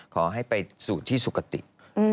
ขอให้ไปสู่ที่สุขติ